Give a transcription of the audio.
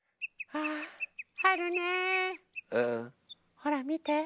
ほらみて。